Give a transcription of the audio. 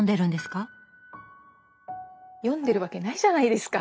読んでるわけないじゃないですか！